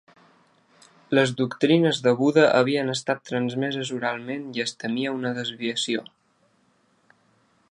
Les doctrines de Buda havien estat transmeses oralment i es temia una desviació.